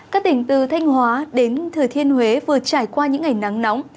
các tỉnh từ thanh hóa đến thừa thiên huế vừa trải qua những ngày nắng nóng